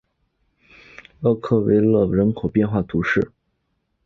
厄克维勒人口变化图示